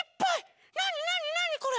なになになにこれ？